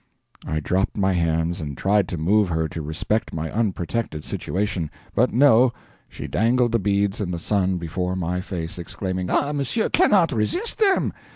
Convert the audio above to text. I dropped my hands, and tried to move her to respect my unprotected situation. But no, she dangled the beads in the sun before my face, exclaiming, "Ah, monsieur CANNOT resist them!"